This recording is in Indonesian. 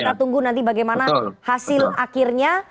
kita tunggu nanti bagaimana hasil akhirnya